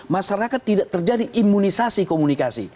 masyarakat tidak terjadi imunisasi komunikasi